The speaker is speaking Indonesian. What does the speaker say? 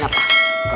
mau makan apa